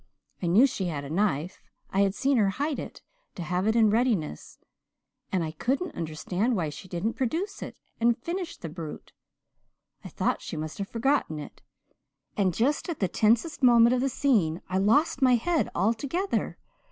I knew she had a knife I had seen her hide it, to have it in readiness and I couldn't understand why she didn't produce it and finish the brute. I thought she must have forgotten it, and just at the tensest moment of the scene I lost my head altogether.